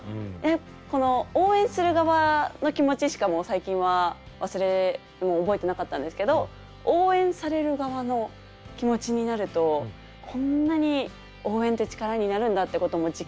この応援する側の気持ちしか最近はもう覚えてなかったんですけど応援される側の気持ちになるとこんなに応援って力になるんだってことも実感できたので。